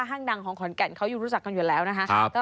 ห้างดังของขอนแก่นเขาอยู่รู้จักกันอยู่แล้วนะคะ